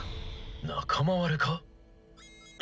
仲間割れか？